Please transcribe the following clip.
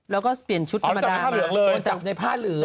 แล้วก็เปลี่ยนชุดธรรมดามาจับในผ้าเหลือง